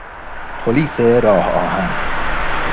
پلیس راه آهن